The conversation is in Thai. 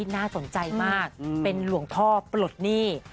น่าสนใจมากเป็นหลวงพ่อปลดหนี้